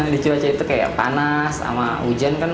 di cuaca itu kayak panas sama hujan kan